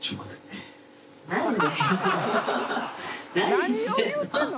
何を言うてんの！